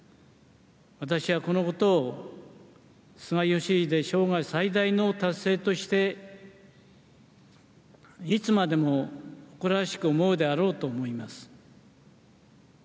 私はこのことを菅義偉生涯最大の達成としていつまでも誇らしく思うであろうと思います。